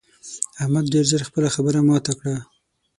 احمد ډېر ژر خپله خبره ماته کړه.